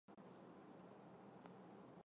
张勋带领三千军队进京。